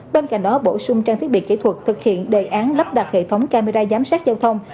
bên cạnh đó bổ sung trang thiết bị kỹ thuật thực hiện đề án lắp đặt hệ thống camera giám sát giao thông